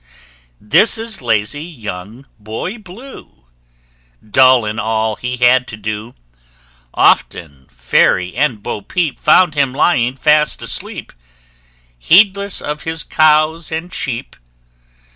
This is lazy young Boy Blue, Dull in all he had to do: Often Fairy and Bo Peep Found him lying fast asleep, Heedless of his cows and sheep!